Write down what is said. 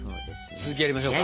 続きやりましょうか！